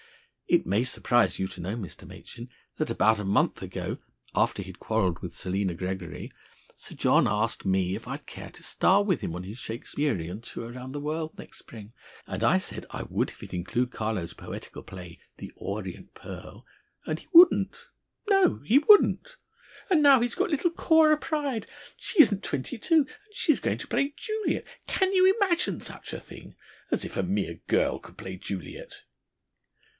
"It may surprise you to know, Mr. Machin, that about a month ago, after he'd quarrelled with Selina Gregory, Sir John asked me if I'd care to star with him on his Shakespearean tour round the world next spring, and I said I would if he'd include Carlo's poetical play, 'The Orient Pearl,' and he wouldn't! No, he wouldn't! And now he's got little Cora Pryde! She isn't twenty two, and she's going to play Juliet! Can you imagine such a thing? As if a mere girl could play Juliet!"